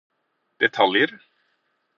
detaljer